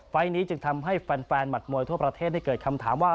นี้จึงทำให้แฟนหมัดมวยทั่วประเทศได้เกิดคำถามว่า